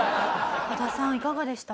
羽田さんいかがでした？